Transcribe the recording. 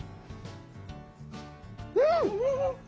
うん！